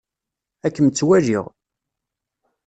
Ad kem-tt-walliɣ.